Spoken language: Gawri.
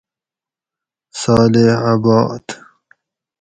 صالح آباد